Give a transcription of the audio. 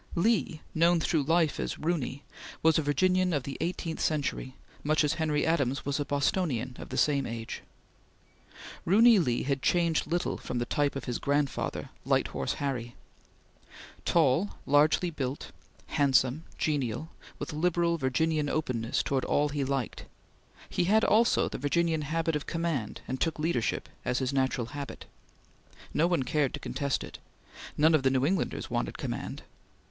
Lee, known through life as "Roony," was a Virginian of the eighteenth century, much as Henry Adams was a Bostonian of the same age. Roony Lee had changed little from the type of his grandfather, Light Horse Harry. Tall, largely built, handsome, genial, with liberal Virginian openness towards all he liked, he had also the Virginian habit of command and took leadership as his natural habit. No one cared to contest it. None of the New Englanders wanted command.